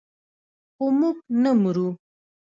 خو موږ نه مرو.